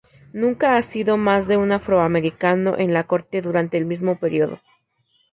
Nunca ha habido más de un afroamericano en la corte durante el mismo período.